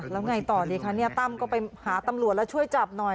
แล้วไงต่อดีคะเนี่ยตั้มก็ไปหาตำรวจแล้วช่วยจับหน่อย